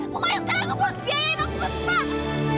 pokoknya sekarang aku mau biayain aku cepat